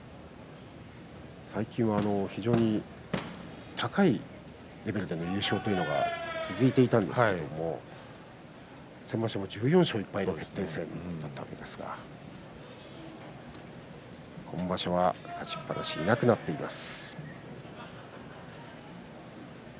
最近は非常に高いレベルでの優勝というのが続いていたんですけれども先場所も１４勝１敗の決定戦だったわけですが今場所は勝ちっぱなしがいなくなっています。